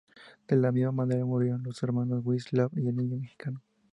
De la misma manera murieron los hermanos Winslow y el niño mexicano.